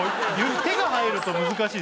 手が入ると難しいっすよ。